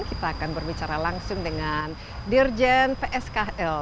kita akan berbicara langsung dengan dirjen pskl